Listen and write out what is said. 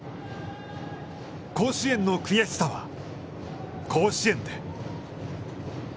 甲子園の悔しさは甲子園で。